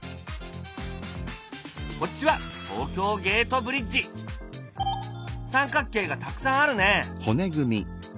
こっちは三角形がたくさんあるね。